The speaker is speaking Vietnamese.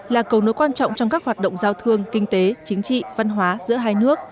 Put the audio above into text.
là cầu nối quan trọng trong các hoạt động giao thương kinh tế chính trị văn hóa giữa hai nước